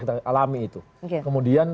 kita alami itu kemudian